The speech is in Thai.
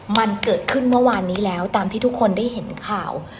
มันเกิดขึ้นเมื่อวานนี้แล้วตามที่ทุกคนได้เห็นข่าว